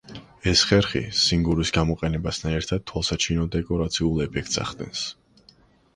ეს ხერხი, სინგურის გამოყენებასთან ერთად, თვალსაჩინო დეკორაციულ ეფექტს ახდენს.